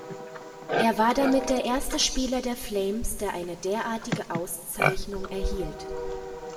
Er war damit der erste Spieler der Flames, der eine derartige Auszeichnung erhielt.